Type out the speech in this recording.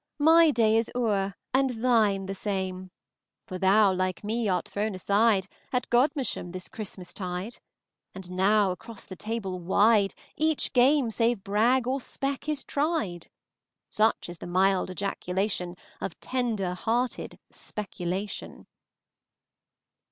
My day is o'er, and thine the same, For thou, like me, art thrown aside At Godmersham, this Christmastide; And now across the table wide Each game save brag or spec. is tried. Such is the mild ejaculation Of tender hearted speculation.